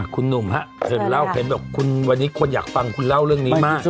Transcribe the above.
คุณหนุ่มฮะเห็นเล่าเห็นแบบคุณวันนี้คนอยากฟังคุณเล่าเรื่องนี้มาก